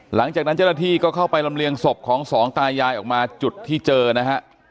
หลังจากนั้นเจ้าหน้าที่ก็เข้าไปลำเลียงศพของสองตายายออกมาจุดที่เจอนะฮะ